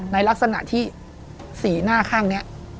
ในลักษณะที่สีหน้าข้างนี้